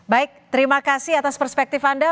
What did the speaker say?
baik terima kasih atas perspektif anda